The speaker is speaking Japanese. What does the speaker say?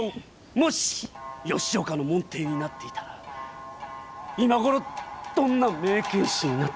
もし吉岡の門弟になっていたら今頃どんな名剣士になっていたことか。